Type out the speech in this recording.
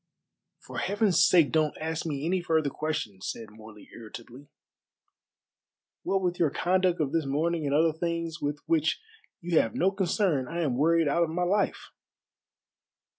"For Heaven's sake don't ask me any further questions," said Morley irritably. "What with your conduct of this morning and other things with which you have no concern I am worried out of my life."